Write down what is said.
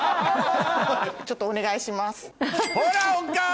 ちょっとお願いします。